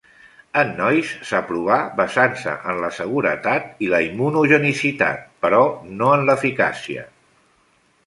En nois s'aprovà basant-se en la seguretat i la immunogenicitat, però no en l'eficàcia.